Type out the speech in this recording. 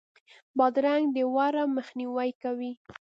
بادرنګ د ورم مخنیوی کوي.